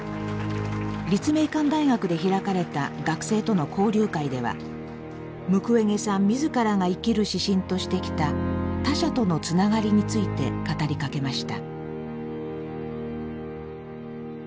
立命館大学で開かれた学生との交流会ではムクウェゲさん自らが生きる指針としてきた他者とのつながりについて語りかけました。